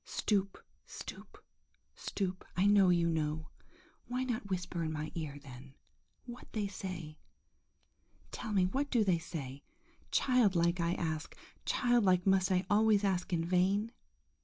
Stoop, stoop, stoop! I know you know! Why not whisper in my ear, then, what they say? Tell me, what do they say? Childlike, I ask, childlike must I always ask in vain?